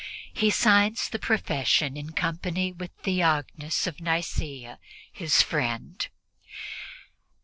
He signs the profession in company with Theognis of Nicea, his friend.